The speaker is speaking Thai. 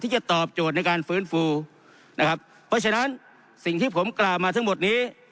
จะตอบโจทย์ในการฟื้นฟูนะครับเพราะฉะนั้นสิ่งที่ผมกล่าวมาทั้งหมดนี้